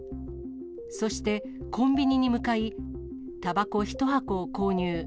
そして、コンビニに向かい、たばこ１箱を購入。